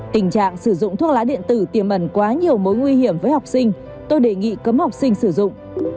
tình trạng sử dụng thuốc lá điện tử tiềm ẩn quá nhiều mối nguy hiểm với học sinh tôi đề nghị cấm học sinh sử dụng